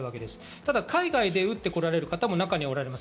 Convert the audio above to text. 海外で打ってこられる方も中にはおられます。